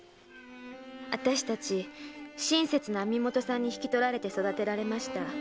あたしたち親切な網元さんに引き取られて育てられました。